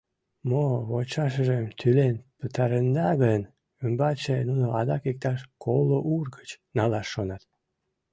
Мо вочшашыжым тӱлен пытаренда гын, ӱмбачше нуно адак иктаж коло ур гыч налаш шонат.